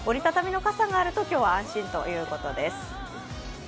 折り畳みの傘があると今日は安心ということです。